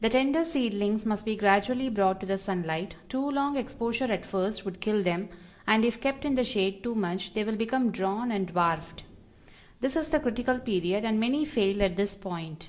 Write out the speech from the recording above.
The tender seedlings must be gradually brought to the sunlight; too long exposure at first would kill them, and if kept in the shade too much they will become drawn and dwarfed. This is the critical period, and many fail at this point.